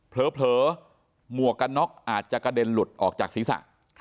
เผลอหมวกกันน็อกอาจจะกระเด็นหลุดออกจากศีรษะ